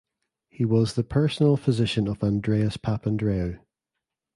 He was the personal physician of Andreas Papandreou.